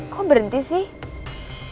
kok berhenti sih